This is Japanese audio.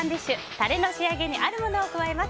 タレの仕上げにあるものを加えます。